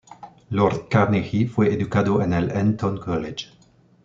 Lord Carnegie fue educado en el Eton College.